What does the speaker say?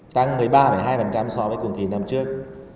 tăng một mươi ba hai so với cùng kỳ năm trước